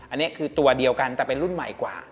อันนี้คือตัวเดียวกันแต่เป็นรุ่นใหม่กว่า